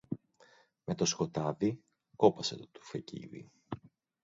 Με το σκοτάδι, κόπασε το τουφεκίδι